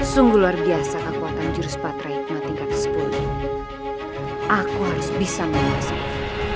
sungguh luar biasa kekuatan jurus patraikma tingkat sepuluh aku harus bisa menghasilkan